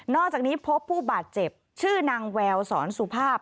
อกจากนี้พบผู้บาดเจ็บชื่อนางแววสอนสุภาพ